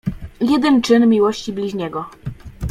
Jeden czyn miłości bliźniego.